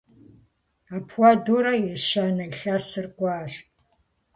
Апхуэдэурэ ещанэ илъэсыр кӀуащ.